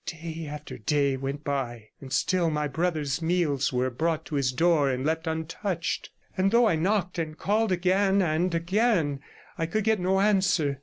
Day after day went by, and still my brother's meals were brought to his door and left untouched; and though I knocked and called again and again, I could get no answer.